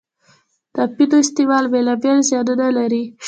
د اپینو استعمال بېلا بېل زیانونه لري.